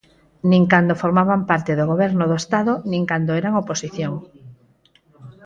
Nin cando formaban parte do Goberno do Estado nin cando eran oposición.